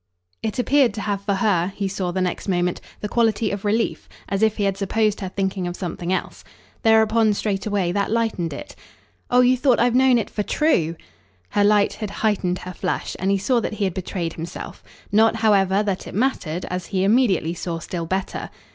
It appeared to have for her, he saw the next moment, the quality of relief, as if he had supposed her thinking of something else. Thereupon, straightway, that lightened it. "Oh you thought I've known it for TRUE!" Her light had heightened her flush, and he saw that he had betrayed himself. Not, however, that it mattered, as he immediately saw still better.